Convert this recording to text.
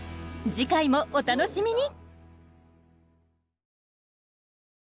次回もお楽しみに。